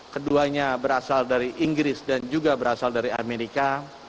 keduanya berasal dari inggris dan juga berasal dari amerika